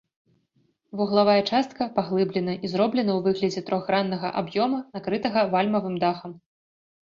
Вуглавая частка паглыблена і зроблена ў выглядае трохграннага аб'ёма, накрытага вальмавым дахам.